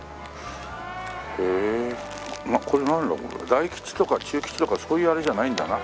大吉とか中吉とかそういうあれじゃないんだな。